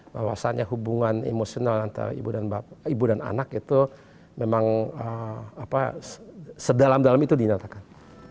bahwasannya hubungan emosional antara ibu dan anak itu memang sedalam dalam itu dinyatakan